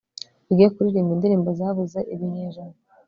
wige kuririmba indirimbo zabuze ibinyejana